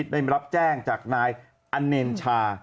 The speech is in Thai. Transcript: ได้รับแจ้งจากนายอเนชา